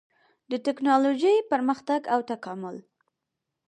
د ټېکنالوجۍ پرمختګ او تکامل